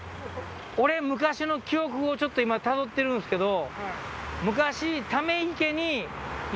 俺昔の記憶をちょっとたどってるんすけど。